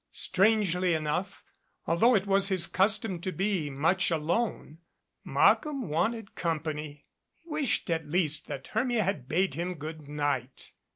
Strangely enough, although it was his custom to be much alone, Markham wanted company. He wished at least that Hermia had bade him good night.